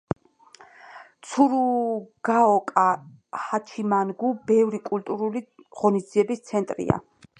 ცურუგაოკა ჰაჩიმანგუ ბევრი კულტურული ღონისძიების ცენტრია.